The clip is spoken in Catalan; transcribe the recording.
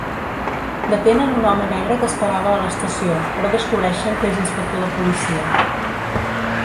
Detenen un home negre que esperava a l'estació, però descobreixen que és inspector de policia.